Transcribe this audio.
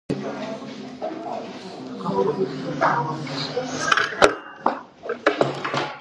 როგორც ტახტის მემკვიდრეს ლუის პოლიტიკაზე დიდი გავლენა არ ჰქონია.